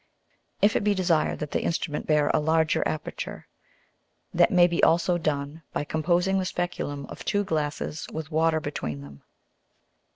If it be desired that the Instrument bear a larger aperture, that may be also done by composing the Speculum of two Glasses with Water between them.